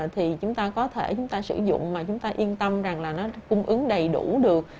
thì chúng ta có thể sử dụng mà chúng ta yên tâm là nó cung ứng đầy đủ được